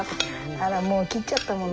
あらもう切っちゃったもの。